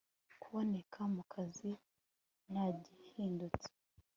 kuboneka mu kazi ntagihindutse